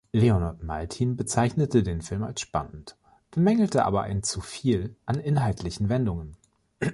Leonard Maltin bezeichnete den Film als spannend, bemängelte aber ein Zuviel an inhaltlichen Wendungen.